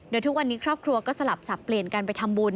โดยทุกวันนี้ครอบครัวก็สลับสับเปลี่ยนกันไปทำบุญ